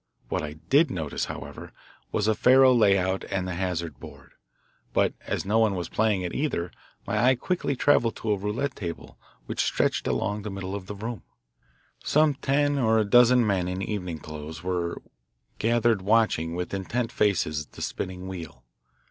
What I did notice, however, was a faro layout and a hazard board, but as no one was playing at either, my eye quickly travelled to a roulette table which stretched along the middle of the room. Some ten or a dozen men in evening clothes were gathered watching with intent faces the spinning wheel.